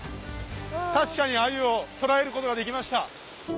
確かに鮎を捕らえることができました。